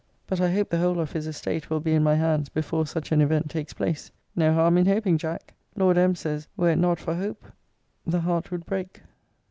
But I hope the whole of his estate will be in my hands before such an event takes place. No harm in hoping, Jack! Lord M. says, were it not for hope, the heart would break.